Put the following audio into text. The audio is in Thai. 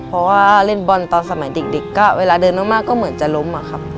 เพราะว่าเล่นบอลตอนสมัยเด็กก็เวลาเดินมากก็เหมือนจะล้มอะครับ